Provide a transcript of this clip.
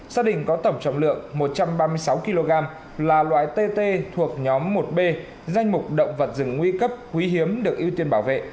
gia đình có tổng trọng lượng một trăm ba mươi sáu kg là loại tt thuộc nhóm một b danh mục động vật rừng nguy cấp quý hiếm được ưu tiên bảo vệ